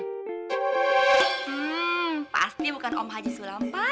hmm pasti bukan om haji sulampa